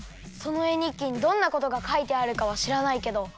そのえにっきにどんなことがかいてあるかはしらないけど